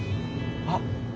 あ！